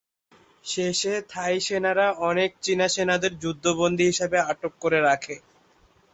শেষে থাই সেনারা অনেক চীনা সেনাদের যুদ্ধ বন্দি হিসেবে আটক করে রাখে।